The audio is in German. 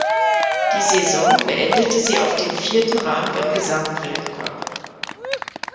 Die Saison beendete sie auf den vierten Rang im Gesamtweltcup.